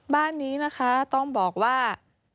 บ้านนี้นะคะต้องบอกว่า